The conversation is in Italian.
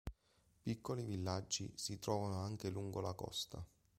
Piccoli villaggi si trovano anche lungo la costa.